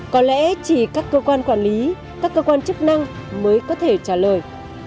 có lẽ chỉ các cơ quan quản lý các cơ quan chức năng mới có thể trả lời